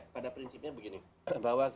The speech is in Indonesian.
pada prinsipnya begini bahwa